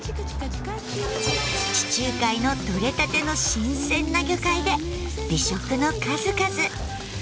地中海のとれたての新鮮な魚介で美食の数々。